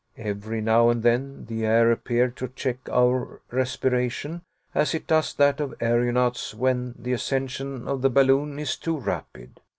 Every now and then the air appeared to check our respiration as it does that of aeronauts when the ascension of the balloon is too rapid.